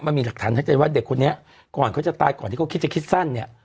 มันมีหลักฐานชัดเจนว่าเด็กคนนี้ก่อนเขาจะตายก่อนที่เขาคิดจะคิดสั้นเนี่ย